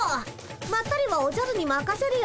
まったりはおじゃるにまかせるよ。